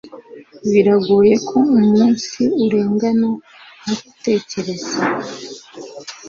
Biragoye ko umunsi urengana ntagutekereza.